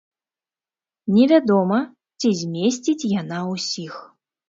Невядома, ці змесціць яна ўсіх.